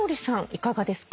いかがですか？